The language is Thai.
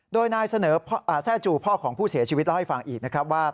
โดยนายเสนอแทร่จูพ่อของผู้เสียชีวิตเล่าให้ฟังอีกนะครับว่า